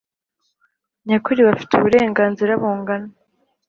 nyakuri Bafite uburenganzira bungana